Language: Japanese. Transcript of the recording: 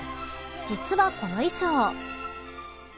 実はこの衣装。